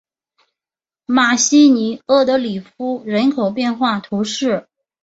马西尼厄德里夫人口变化图示